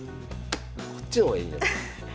こっちの方がいいや。